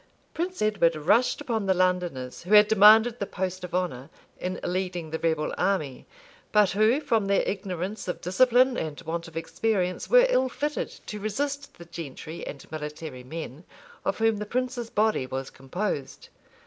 Prince Edward rushed upon the Londoners who had demanded the post of honor in leading the rebel army, but who, from their ignorance of discipline and want of experience, were ill fitted to resist the gentry and military men, of whom the prince's body was composed.